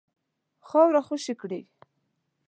خاوره خوشي کړي.